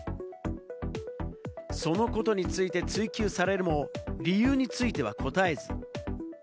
そのことについて追及されるも、理由については答えず。